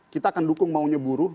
kita akan dukung maunya buruh